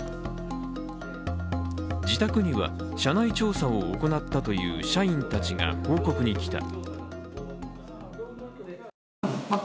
自宅には社内調査を行ったという社員たちが報告に来た。